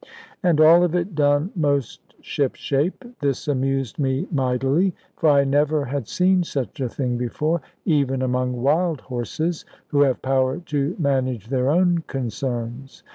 And all of it done most ship shape. This amused me mightily; for I never had seen such a thing before, even among wild horses, who have power to manage their own concerns.